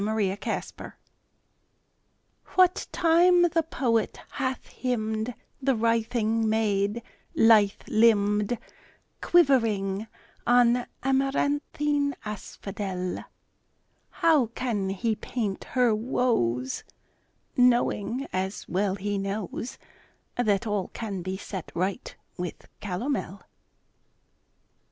POETRY EVERYWHERE WHAT time the poet hath hymned The writhing maid, lithe limbed, Quivering on amaranthine asphodel, How can he paint her woes, Knowing, as well he knows, That all can be set right with calomel?